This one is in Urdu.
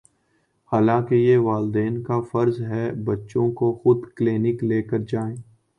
حالانکہ یہ والدین کافرض ہے بچوں کو خودکلینک لےکرجائیں۔